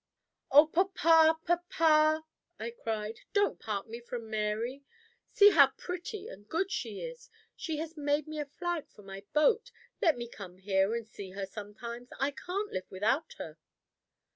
"Oh, papa! papa!" I cried. "Don't part me from Mary! See how pretty and good she is! She has made me a flag for my boat. Let me come here and see her sometimes. I can't live without her."